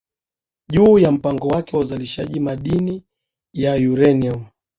juu ya mpango wake wa uzalishaji wa madini ya urenium